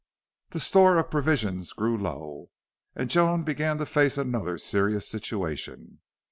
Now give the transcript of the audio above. The store of provisions grew low, and Joan began to face another serious situation.